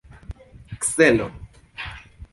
celo